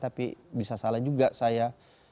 tapi bisa salah juga saya